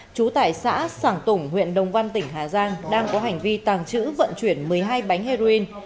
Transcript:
trú tại xã sản tùng huyện đồng văn tỉnh hà giang đang có hành vi tàng trữ vận chuyển một mươi hai bánh heroin